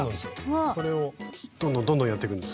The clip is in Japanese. それをどんどんどんどんやっていくんです。